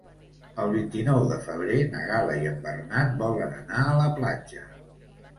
El vint-i-nou de febrer na Gal·la i en Bernat volen anar a la platja.